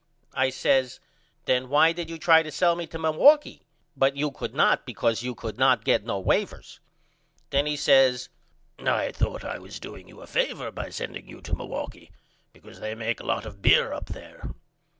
I says Then why did you try to sell me to Milwaukee? But you could not because you could not get no wavers. Then he says I thought I was doing you a favor by sending you to Milwaukee because they make a lot of beer up there.